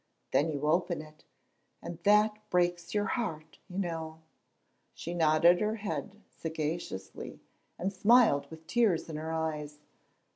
Then you open it, and that breaks your heart, you know." She nodded her head sagaciously and smiled with tears in her eyes.